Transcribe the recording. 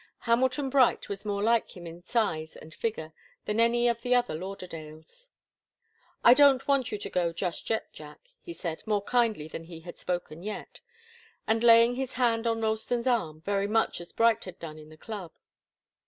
Hamilton Bright was more like him in size and figure than any of the other Lauderdales. "I don't want you to go just yet, Jack," he said, more kindly than he had spoken yet, and laying his hand on Ralston's arm very much as Bright had done in the club.